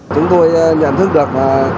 chúng tôi nhận thức được